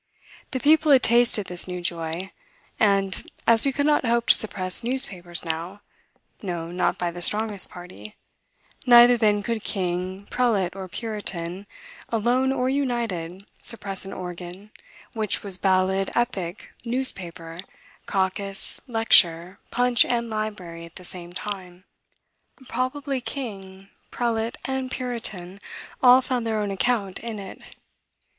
The people had tasted this new joy; and, as we could not hope to suppress newspapers now, no, not by the strongest party, neither then could king, prelate, or puritan, alone or united, suppress an organ, which was ballad, epic, newspaper, caucus, lecture, punch, and library, at the same time. Probably king, prelate and puritan, all found their own account in it.